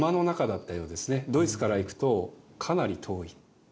ドイツから行くとかなり遠い。